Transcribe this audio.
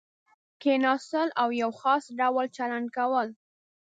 کېناستل او یو خاص ډول چلند کول.